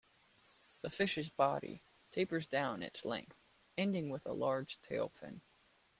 The fish's body tapers down its length, ending with a large tail fin.